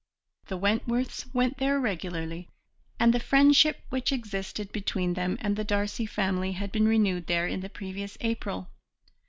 The Wentworths went there regularly, and the friendship which existed between them and the Darcy family had been renewed there in the previous April.